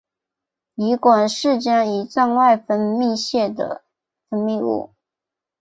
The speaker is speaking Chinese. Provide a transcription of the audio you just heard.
胰管是将胰脏外分泌腺的分泌物。